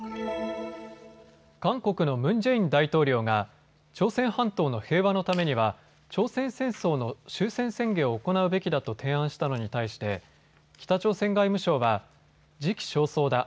韓国のムン・ジェイン大統領が朝鮮半島の平和のためには朝鮮戦争の終戦宣言を行うべきだと提案したのに対して北朝鮮外務省は時期尚早だ。